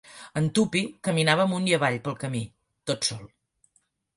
En Tuppy caminava amunt i avall pel camí, tot sol.